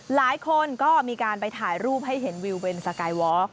หลายคนก็มีการไปถ่ายรูปให้เห็นวิวเป็นสกายวอล์